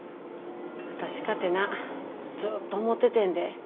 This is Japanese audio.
私かてなずっと思っててんで。